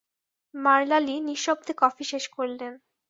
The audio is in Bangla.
মারলা লি নিঃশব্দে কফি শেষ করলেন।